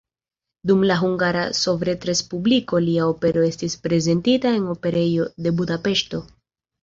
Dum la Hungara Sovetrespubliko lia opero estis prezentita en Operejo de Budapeŝto.